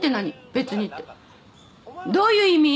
「別に」ってどういう意味？